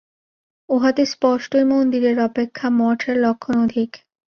উহাতে স্পষ্টই মন্দিরের অপেক্ষা মঠের লক্ষণ অধিক।